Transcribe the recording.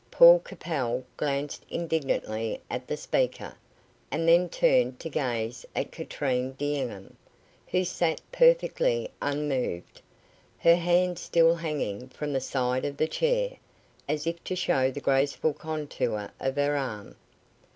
Paul Capel glanced indignantly at the speaker, and then turned to gaze at Katrine D'Enghien, who sat perfectly unmoved, her hand still hanging from the side of the chair, as if to show the graceful contour of her arm.